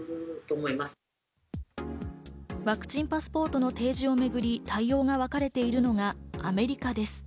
ワクチンパスポートの提示をめぐり、対応がわかれているのがアメリカです。